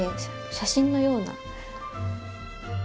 写真のような。